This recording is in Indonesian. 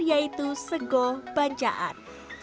yaitu sego bancaan